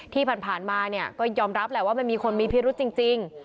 ที่ผ่านมาเนี่ยก็ยอมรับแหละว่ามันมีคนมีพิรุษจริง